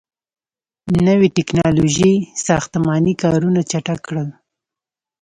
• نوي ټیکنالوژۍ ساختماني کارونه چټک کړل.